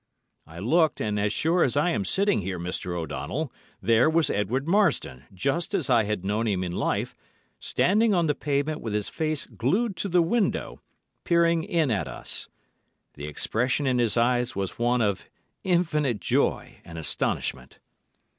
I looked, and as sure as I am sitting here, Mr. O'Donnell, there was Edward Marsdon, just as I had known him in life, standing on the pavement with his face glued to the window, peering in at us. The expression in his eyes was one of infinite joy and astonishment.